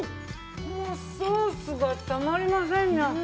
もうソースがたまりませんな。